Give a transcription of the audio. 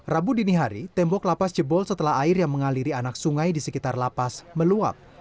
rabu dini hari tembok lapas jebol setelah air yang mengaliri anak sungai di sekitar lapas meluap